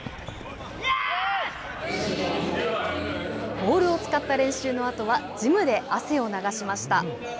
ボールを使った練習のあとは、ジムで汗を流しました。